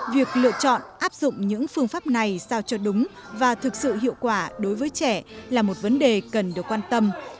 việc lựa chọn áp dụng những phương pháp này sao cho đúng và thực sự hiệu quả đối với trẻ là một vấn đề cần được quan tâm